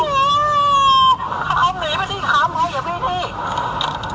ข้ามเหมือนกันดิข้ามมาอย่าเบี้ยดดิ